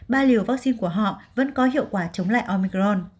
ba liều vaccine của họ vẫn có hiệu quả chống lại omicron